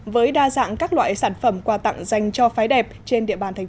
với đa dạng các loại sản phẩm quà tặng dành cho phái đẹp trên địa bàn tp hcm